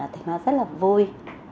thì nó rất là vui